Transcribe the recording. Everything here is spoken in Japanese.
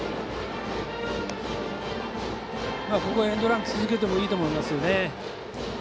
エンドラン続けてもいいと思いますよね。